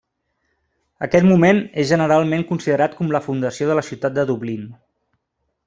Aquest moment és generalment considerat com la fundació de la ciutat de Dublín.